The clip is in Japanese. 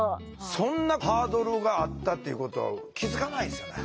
そんなハードルがあったっていうことは気付かないですよね。